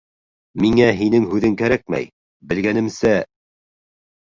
Миңә һинең һүҙең кәрәкмәй, белгәнемсә...